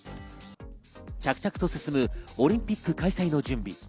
着々と進むオリンピック開催の準備。